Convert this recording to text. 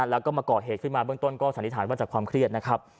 แล้วก็เราก่อเหตุมากรรมต้นก็สาดิธรรมใจความเครียดนะครับ